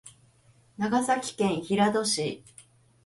長崎県平戸市